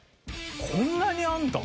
こんなにあるんだ。